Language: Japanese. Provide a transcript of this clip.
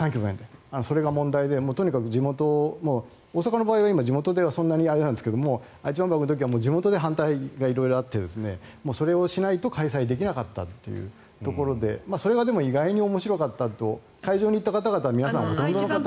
それが問題でとにかく地元大阪の場合は地元でそんなにあれなんですけど愛知万博の時は地元で反対が色々あってそれをしないと開催できなかったというところでそれがでも意外に面白かったと会場に行った方々は皆さんほとんどの方が。